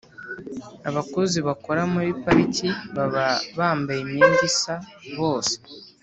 Abakozi bakora muri pariki baba bambaye imyenda isa bose